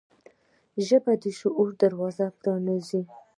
ژبه د شعور دروازه پرانیزي